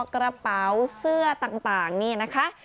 กระเป๋าเสื้อต่างนี่นะคะ